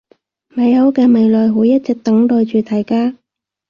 美好嘅未來會一直等待住大家